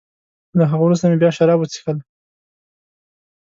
له هغه وروسته مې بیا شراب وڅېښل.